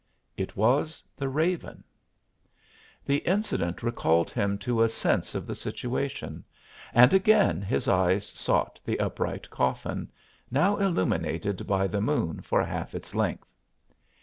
It was the raven. The incident recalled him to a sense of the situation, and again his eyes sought the upright coffin, now illuminated by the moon for half its length.